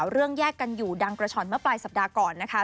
แยกกันอยู่ดังกระช่อนเมื่อปลายสัปดาห์ก่อนนะคะ